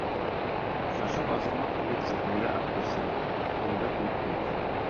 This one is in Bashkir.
Шаршау асылмаҫ элек сәхнәгә Актер сыға, ҡулында телефон.